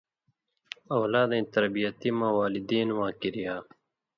اؤلادَیں تربیتی مہ والدین واں کریا